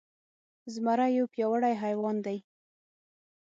زمری يو پياوړی حيوان دی.